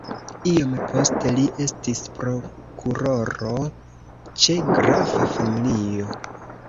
Iom poste li estis prokuroro ĉe grafa familio.